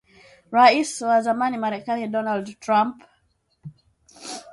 Rais wa zamani Marekani Donald Trump